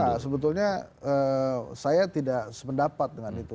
ya sebetulnya saya tidak sependapat dengan itu